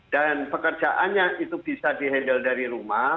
dan pekerjaannya itu bisa di handle dari rumah